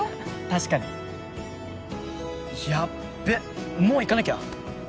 確かにヤッベもう行かなきゃ